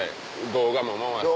動画も回して。